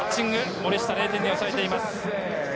森下、０点に抑えています。